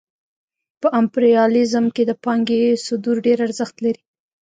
په امپریالیزم کې د پانګې صدور ډېر ارزښت لري